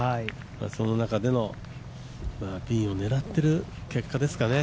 その中でのピンを狙ってる結果ですかね。